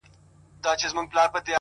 مثبت فکر د هیلو رڼا ساتي؛